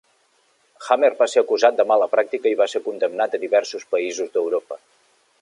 Hamer va ser acusat de mala pràctica i va ser condemnat a diversos països d'Europa.